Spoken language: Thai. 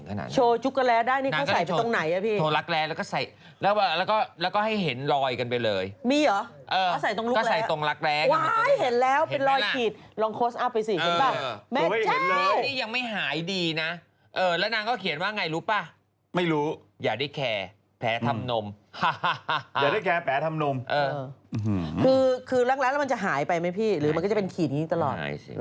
คือรั้งแล้วมันจะหายไปไหมพี่หรือมันก็จะเป็นขีดอย่างนี้ตลอด